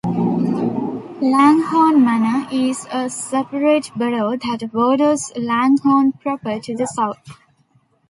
Langhorne Manor is a separate borough that borders Langhorne proper to the south.